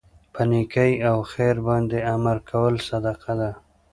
په نيکۍ او خیر باندي امر کول صدقه ده